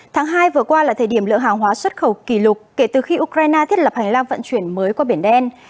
tháng hai vừa qua là thời điểm lượng hàng hóa xuất khẩu kỷ lục kể từ khi ukraine thiết lập hành lang vận chuyển mới qua biển đen